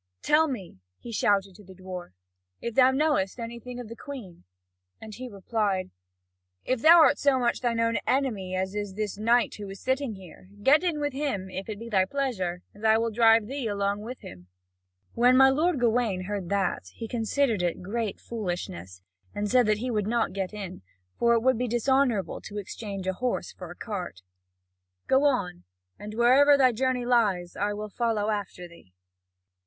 "Tell me," he shouted to the dwarf, "if thou knowest anything of the Queen." And he replied: "If thou art so much thy own enemy as is this knight who is sitting here, get in with him, if it be thy pleasure, and I will drive thee along with him." When my lord Gawain heard that, he considered it great foolishness, and said that he would not get in, for it would be dishonourable to exchange a horse for a cart: "Go on, and wherever thy journey lies, I will follow after thee." (Vv. 399 462.)